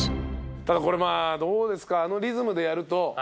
ただこれまぁどうですか。